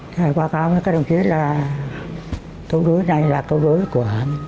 thầy báo cáo với các đồng chí là câu đối này là câu đối của